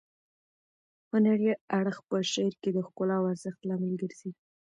هنري اړخ په شعر کې د ښکلا او ارزښت لامل ګرځي.